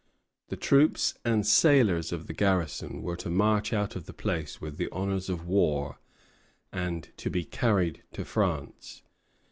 The troops and sailors of the garrison were to march out of the place with the honors of war, and to be carried to France.